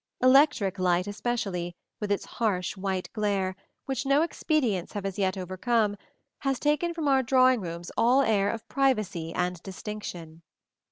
Electric light especially, with its harsh white glare, which no expedients have as yet overcome, has taken from our drawing rooms all air of privacy and distinction.